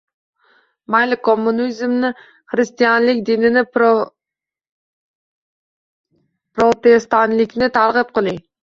Mayli kommunizmni, xristianlik dinini, protestantlikni targ’ib qiling